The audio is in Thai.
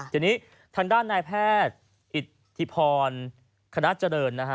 ทีนี้ทางด้านนายแพทย์อิทธิพรคณะเจริญนะฮะ